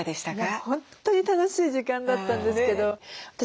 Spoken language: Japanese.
もう本当に楽しい時間だったんですけど私